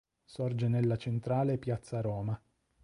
Sorge nella centrale Piazza Roma.